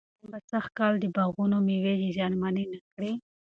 ایا باران به سږ کال د باغونو مېوې زیانمنې نه کړي؟